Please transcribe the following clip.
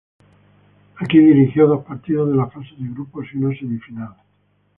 Aquí dirigido dos partidos de la fase de grupos y una semifinal.